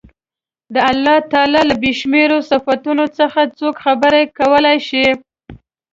د الله تعالی له بې شمېرو صفتونو څخه څوک خبرې کولای شي.